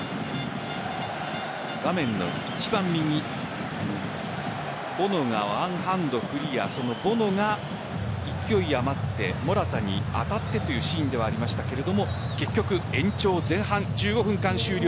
画面の一番右ボノがワンハンドクリアそのボノが勢い余ってモラタに当たってというシーンではありましたが、結局延長前半１５分間終了。